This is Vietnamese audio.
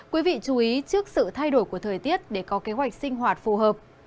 quý vị chú ý trước sự thay đổi của thời tiết để có kế hoạch sinh hoạt phù hợp